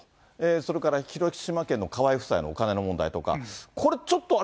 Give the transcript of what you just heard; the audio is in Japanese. それから広島県の河井夫妻のお金の問題とか、これ、ちょっとあれ？